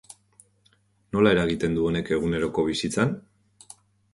Nola eragiten du honek eguneroko bizitzan?